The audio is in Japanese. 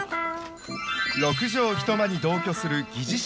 ６畳一間に同居する疑似姉妹。